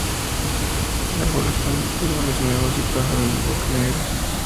Legolas prometió árboles nuevos y pájaros del Bosque Negro.